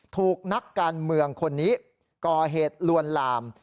ถูกนักการเมืองคนนี้ก่อเหตุลวนลาม